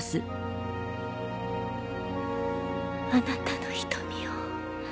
あなたの瞳を。